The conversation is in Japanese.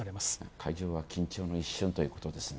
会場が緊張の一瞬ということですね。